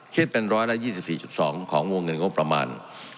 คิดเป็น๑๒๔๒ของวงเงินงบประมาณ